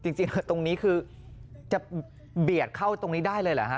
จริงตรงนี้คือจะเบียดเข้าตรงนี้ได้เลยเหรอฮะ